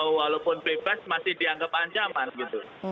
walaupun bebas masih dianggap ancaman gitu